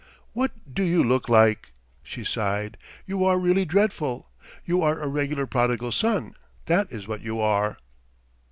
What do you look like!" she sighed. "You are really dreadful! You are a regular prodigal son, that is what you are."